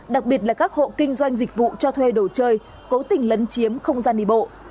đặc biệt là các hộ kinh doanh dịch vụ cho thuê đồ chơi cố tình lấn chiếm không gian đi bộ